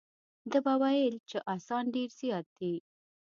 ده به ویل چې اسان ډېر زیات دي.